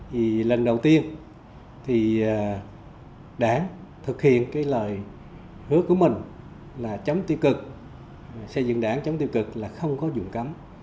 vì lần đầu tiên thì đảng thực hiện cái lời hứa của mình là chống tiêu cực xây dựng đảng chống tiêu cực là không có dùng cấm